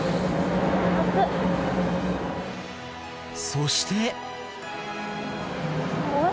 そして。